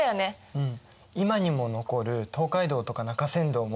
うん。